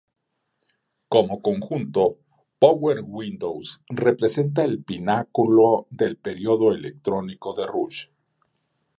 Como conjunto, Power Windows representa el pináculo del período "electrónico" de Rush.